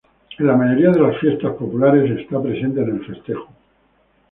En la mayoría de las fiestas populares está presente en el festejo.